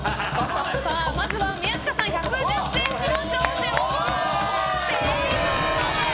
まずは宮近さん１１０ｃｍの挑戦。